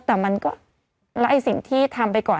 แต่มันก็แล้วไอ้สิ่งที่ทำไปก่อน